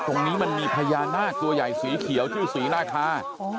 ตรงนี้มันมีพญานาคตัวใหญ่สีเขียวชื่อศรีราชา